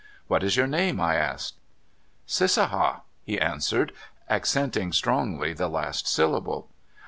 *' What is your name !" I asked. '* Cissaha," he answered, accenting strongly the last syllable.